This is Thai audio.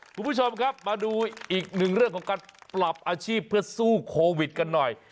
คุณผู้ชมครับมาดูอีกหนึ่งเรื่องของการปรับอาชีพเพื่อสู้โควิดกันหน่อย